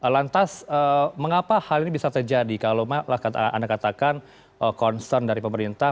lantas mengapa hal ini bisa terjadi kalau anda katakan concern dari pemerintah